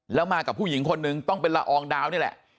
แล้วมากับผู้หญิงคนนึงต้องเป็นละอองดาวนี่แหละ